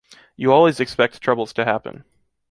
You always expect troubles to happen.